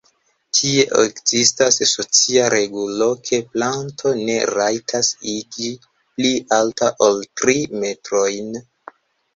Tie ekzistas socia regulo, ke planto ne rajtas iĝi pli alta ol tri metrojn.